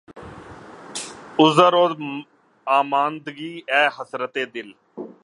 عذر واماندگی، اے حسرتِ دل!